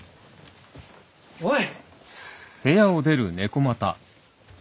おい！